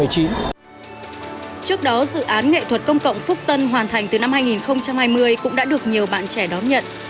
trước đó dự án nghệ thuật công cộng phúc tân hoàn thành từ năm hai nghìn hai mươi cũng đã được nhiều bạn trẻ đón nhận